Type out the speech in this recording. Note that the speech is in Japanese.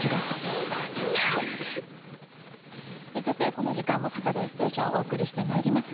この時間も「サタデーステーション」をお送りしてまいります。